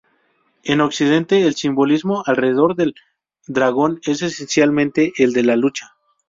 En Occidente el simbolismo alrededor del dragón es esencialmente el de la lucha.